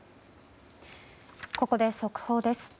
ここで速報です。